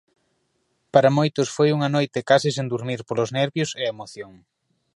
Para moitos foi unha noite case sen durmir polos nervios e a emoción.